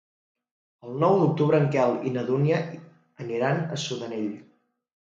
El nou d'octubre en Quel i na Dúnia aniran a Sudanell.